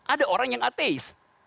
ada orang yang ateis